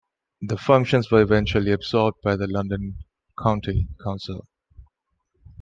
The functions were eventually absorbed by the London County Council.